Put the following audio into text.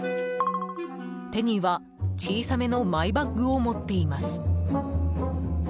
手には小さめのマイバッグを持っています。